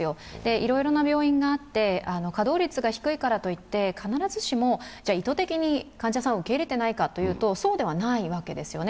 いろいろな病院があって、稼働率が低いからといって必ずしも意図的に患者さんを受け入れていないかというとそうではないわけですよね。